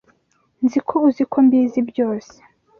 Nzi ko uzi ko mbizi byose